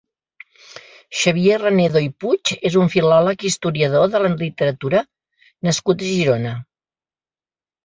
Xavier Renedo i Puig és un filòleg i historiador de la literatura nascut a Girona.